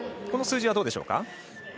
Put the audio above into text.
この数字はどうでしょうか？